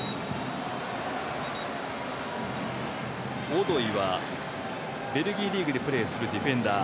オドイはベルギーリーグでプレーするディフェンダー。